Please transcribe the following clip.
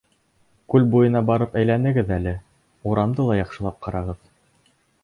— Күл буйына барып әйләнегеҙ әле, урамды ла яҡшылап ҡарағыҙ.